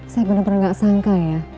saya bener bener gak sangka ya